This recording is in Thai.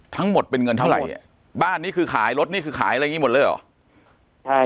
ทั้งหมดเป็นเงินเท่าไหร่บ้านนี้คือขายรถนี่คือขายอะไรอย่างงี้หมดเลยเหรอใช่